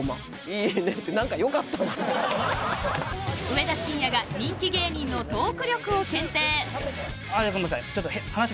上田晋也が人気芸人のトークを検定！